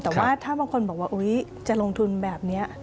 แต่ว่าถ้าบางคนบอกว่าจะลงทุนแบบนี้